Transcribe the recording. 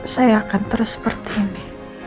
saya akan terus seperti ini